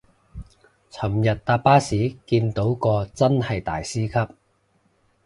尋日搭巴士見到個真係大師級